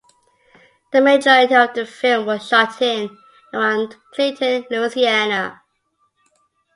The majority of the film was shot in and around Clinton, Louisiana.